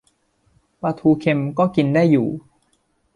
ปลาทูเค็มก็กินได้อยู่